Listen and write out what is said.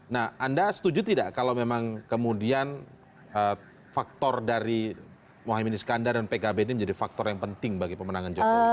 nah anda setuju tidak kalau memang kemudian faktor dari mohaimin iskandar dan pkb ini menjadi faktor yang penting bagi pemenangan jokowi